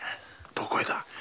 どこへだ？